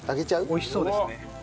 美味しそうですね。